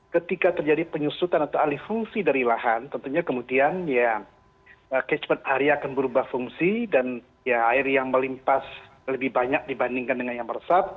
ketika terjadi penyusutan atau alih fungsi dari lahan tentunya kemudian ya cashboard area akan berubah fungsi dan air yang melimpas lebih banyak dibandingkan dengan yang meresap